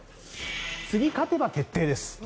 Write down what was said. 次勝てば決定です。